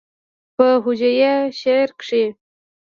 پۀ هجويه شعر کښې